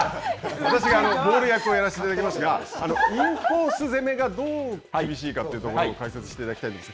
私がボール役をやらせていただきますが、インコース攻めがどう厳しいかというところを解説していただきたいんです。